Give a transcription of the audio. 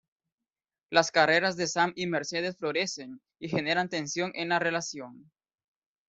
Las carreras de Sam y Mercedes florecen y generan tensión en la relación.